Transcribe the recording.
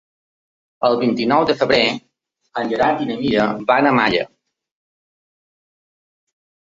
El vint-i-nou de febrer en Gerard i na Mira van a Malla.